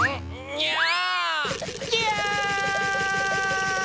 にゃあ。